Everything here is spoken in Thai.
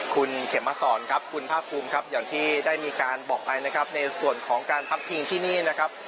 คุณเข็มมาสอนครับคุณภาคภูมิครับอย่างที่ได้มีการบอกไปนะครับในส่วนของการพักพิงที่นี่นะครับ